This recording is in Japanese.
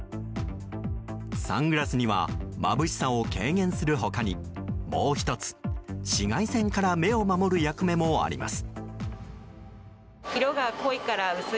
サングラスにはまぶしさを軽減する他にもう１つ、紫外線から目を守る役割もあります。